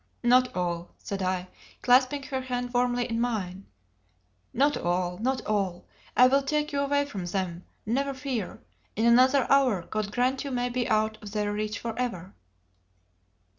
"Not all," said I, clasping her hand warmly in mine. "Not all not all! I will take you away from them, never fear; in another hour God grant you may be out of their reach for ever!"